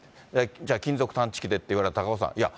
じゃあ、金属探知機でって言われたら、いや、